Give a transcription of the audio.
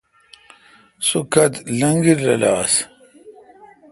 سوُ کتھ لنگیل رل آس